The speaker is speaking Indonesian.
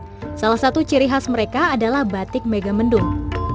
nah salah satu ciri khas mereka adalah batik megamendung